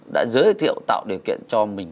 đã giới thiệu tạo điều kiện cho mình